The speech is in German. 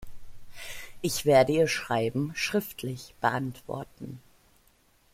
Ich werde Ihr Schreiben schriftlich beantworten.